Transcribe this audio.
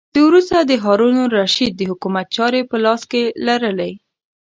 ده وروسته د هارون الرشید د حکومت چارې په لاس کې لرلې.